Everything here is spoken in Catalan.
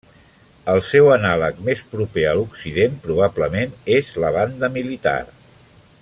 El seu anàleg més proper a occident probablement és la banda militar.